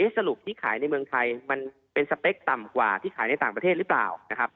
สรุปที่ขายในเมืองไทยมันเป็นสเปคต่ำกว่าที่ขายในต่างประเทศหรือเปล่านะครับ